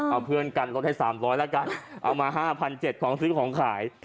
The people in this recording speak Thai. เอาเพื่อนกันลดให้๓๐๐แล้วกันเอามา๕๗๐๐ของซื้อของขาย